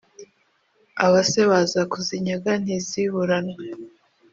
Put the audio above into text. abase baza kuzinyaga ntiziburanwe